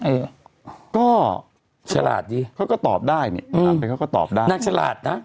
เออก็ฉลาดดีเขาก็ตอบได้นี่อ่านไปเขาก็ตอบได้นางฉลาดนะ